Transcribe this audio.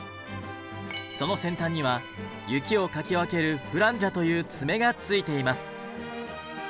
その先端には雪をかき分けるフランジャという爪がついています。